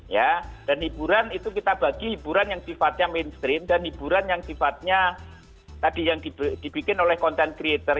ya dan hiburan itu kita bagi hiburan yang sifatnya mainstream dan hiburan yang sifatnya tadi yang dibikin oleh content creator